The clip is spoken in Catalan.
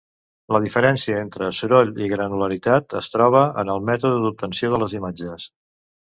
La diferència entre soroll i granularitat es troba en el mètode d'obtenció de les imatges.